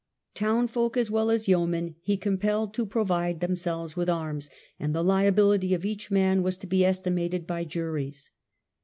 Townfolk as well as yeomen he compelled to provide themselves with arms, and the liability of each man was to be estimated by juries.